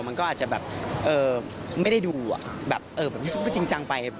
มันก็อาจจะแบบไม่ได้ดูแบบจริงจังไป